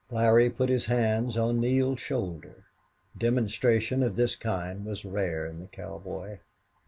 Larry put his hands on Neale's shoulder. Demonstration of this kind was rare in the cowboy.